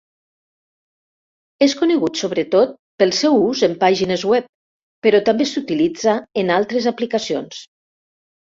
És conegut sobretot pel seu ús en pàgines web, però també s'utilitza en altres aplicacions.